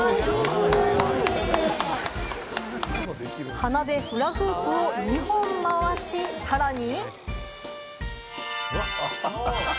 鼻でフラフープを２本回し、さらに。